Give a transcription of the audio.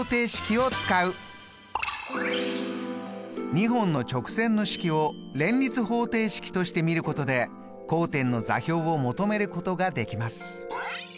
２本の直線の式を連立方程式として見ることで交点の座標を求めることができます。